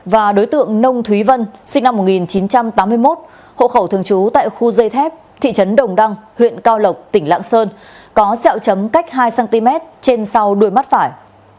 và đối tượng nông thúy vân sinh năm một nghìn chín trăm tám mươi một hộ khẩu thường trú tại khu dây thép thị trấn đồng đăng huyện cao lộc tỉnh lạng sơn có xeo chấm cách hai cm trên sau đuôi mắt phải